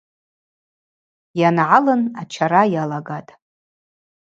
Йангӏалын ачара йалагатӏ.